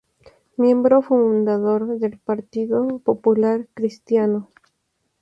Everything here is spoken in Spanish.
Miembro fundador del Partido Popular Cristiano.